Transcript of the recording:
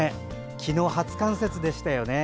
昨日、初冠雪でしたよね。